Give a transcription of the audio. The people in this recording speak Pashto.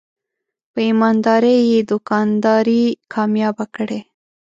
په ایماندارۍ یې دوکانداري کامیابه کړې.